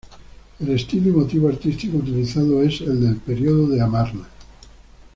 El estilo y motivo artístico utilizado es el del Período de Amarna.